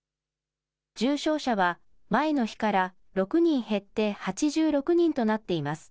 重症者は前の日から６人減って８６人となっています。